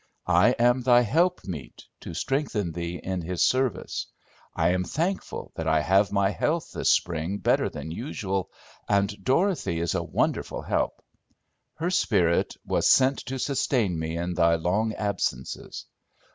I am thy helpmeet, to strengthen thee in his service. I am thankful that I have my health this spring better than usual, and Dorothy is a wonderful help. Her spirit was sent to sustain me in thy long absences.